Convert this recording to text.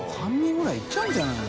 阿蕕いっちゃうんじゃないの？